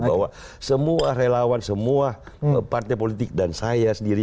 bahwa semua relawan semua partai politik dan saya sendiri